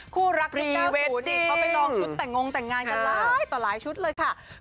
คู่รักพี่ปลาสูตรเขาไปลองชุดแต่งงแต่งงานกันหลายชุดเลยค่ะพี่เวตติ้ง